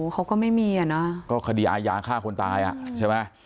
เขาก็ไม่มีอ่ะนะก็คดีอายาฆ่าคนตายอ่ะใช่ไหม